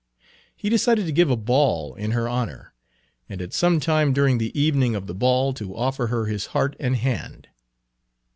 He decided to give a ball in her honor, and at some time during the evening of the ball to offer her his heart and hand.